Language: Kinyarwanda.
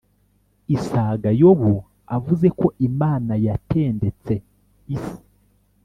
isaga yobu avuze ko imana yatendetse isi